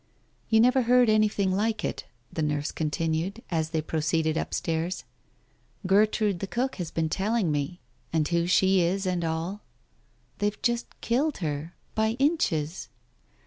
"You never heard anything like it," the nurse con tinued, as they proceeded upstairs; "Gertrude, the cook here has been telling me. And who she is and all. They've just killed her — by inches."